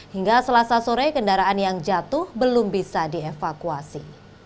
hingga selasa sore kendaraan yang jatuh belum bisa dievakuasi